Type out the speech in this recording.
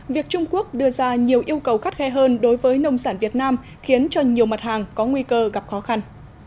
việc trung quốc đưa ra nhiều yêu cầu khắt khe hơn đối với nông sản việt nam khiến cho nhiều mặt hàng có nguy cơ gặp khó khăn